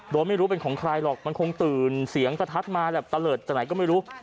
โดยไม่รู้เป็นของใครหรอกมันคงตื่นเสียงประทัดมาแบบตะเลิศจากไหนก็ไม่รู้